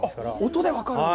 音で分かるんだ。